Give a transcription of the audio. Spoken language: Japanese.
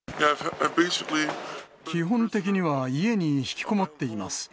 基本的には家に引きこもっています。